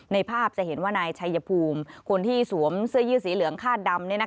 ในภาพจะเห็นว่านายชัยภูมิคนที่สวมเสื้อยืดสีเหลืองคาดดำ